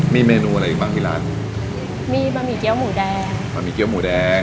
มีเมนูอะไรอีกบ้างที่ร้านมีบะหมี่เกี้ยวหมูแดงบะหมี่เกี้ยหมูแดง